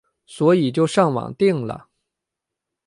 所以就上网订了